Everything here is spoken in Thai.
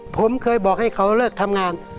ผมเคยบอกให้เขาเลิกทำงาน